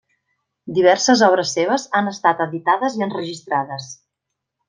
Diverses obres seves han estat editades i enregistrades.